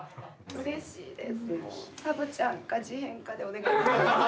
うれしいです。